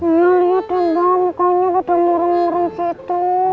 gak ada mbak mukanya gak ada orang orang situ